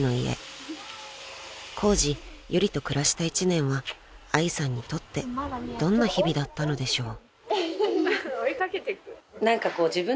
［コウジユリと暮らした１年は愛さんにとってどんな日々だったのでしょう］